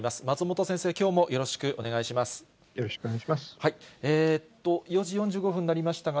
松本先生、きょうもよろしくお願よろしくお願いします。